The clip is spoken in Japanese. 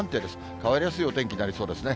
変わりやすいお天気になりそうですね。